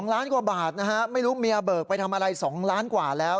ล้านกว่าบาทนะฮะไม่รู้เมียเบิกไปทำอะไร๒ล้านกว่าแล้ว